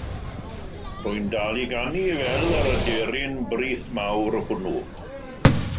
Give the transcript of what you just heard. Rwy'n dal i ganu fel yr aderyn brith mawr hwnnw.